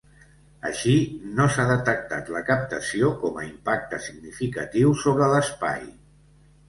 Així, no s'ha detectat la captació com a impacte significatiu sobre l'espai.